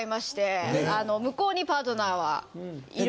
向こうにパートナーはいる。